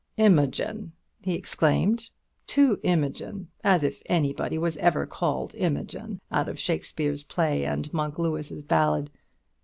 "Imogen!" he exclaimed; "'To Imogen!' As if anybody was ever called Imogen out of Shakespeare's play and Monk Lewis's ballad!